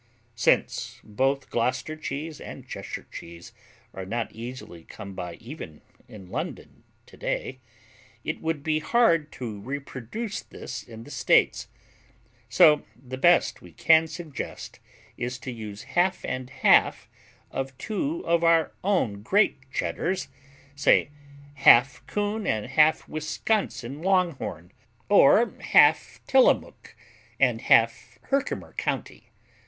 Since both Gloucester cheese and Cheshire cheese are not easily come by even in London today, it would be hard to reproduce this in the States. So the best we can suggest is to use half and half of two of our own great Cheddars, say half Coon and half Wisconsin Longhorn, or half Tillamook and half Herkimer County.